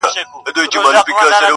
وجدان او وېره ورسره جنګېږي تل,